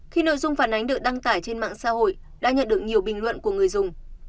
khi nội dung phản ánh được đăng tải trên mạng xã hội đã nhận được nhiều bình luận của người dùng